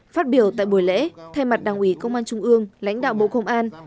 phát biểu tại buổi lễ thay mặt đảng ủy công an trung ương lãnh đạo bộ công an